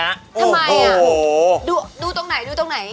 ทำไมอ่ะดูตรงไหนอืมโอ้โห